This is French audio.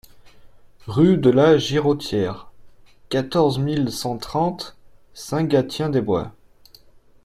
Rue de la Girotière, quatorze mille cent trente Saint-Gatien-des-Bois